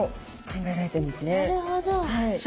なるほど。